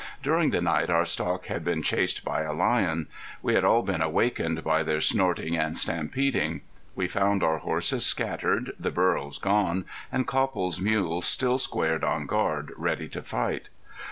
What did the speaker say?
During the night our stock had been chased by a lion. We had all been awakened by their snorting and stampeding. We found our horses scattered, the burros gone, and Copple's mules still squared on guard, ready to fight.